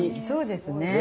そうですね。